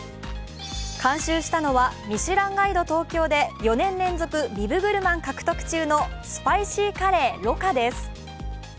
監修したのは、「ミシュランガイド東京」で４年連続ビブグルマン獲得中のＳＰＩＣＹＣＵＲＲＹ魯珈です。